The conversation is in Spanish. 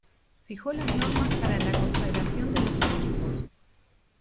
Fijó las normas para la consagración de los Obispos.